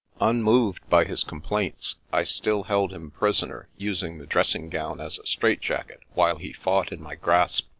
Unmoved by his complaints, I still held him pris oner, using the dressing gown as a strait jacket, while he fought in my grasp.